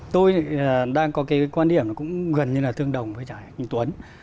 tôi đang có cái quan điểm cũng gần như là thương đồng với trái kinh tuấn